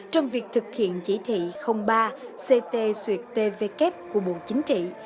trong việc thực hiện chỉ thị ba ct xuyệt tv kép của bộ chính trị